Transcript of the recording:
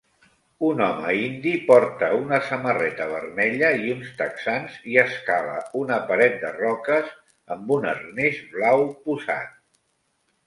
Un home indi porta una samarreta vermella i uns texans i escala una paret de roques amb un arnès blau posat